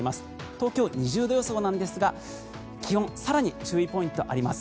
東京、２０度予想なんですが気温更に注意ポイントがあります。